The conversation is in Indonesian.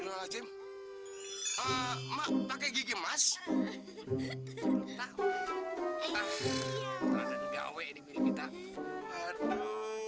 terawat dgw segita lezat dia young ui wehwuberi puke ez